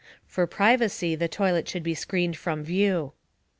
For privacy, the toilet could be screened from view.